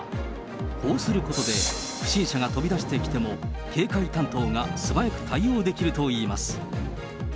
こうすることで、不審者が飛び出してきても、警戒担当が素早く対応できるといいます。